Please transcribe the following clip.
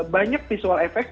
banyak visual effect